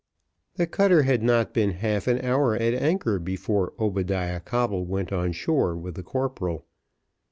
The cutter had not been half an hour at anchor, before Obadiah Coble went on shore with the corporal.